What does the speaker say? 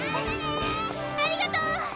ありがとう！